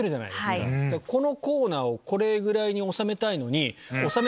このコーナーをこれぐらいに収めたいのに。